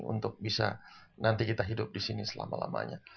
untuk bisa nanti kita hidup disini selama lamanya